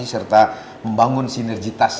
serta membangun sinergitas